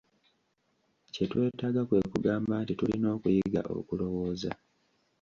Kye twetaaga kwe kugamba nti tulina okuyiga okulowooza.